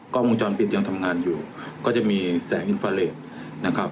วงจรปิดยังทำงานอยู่ก็จะมีแสงอินฟาเลสนะครับ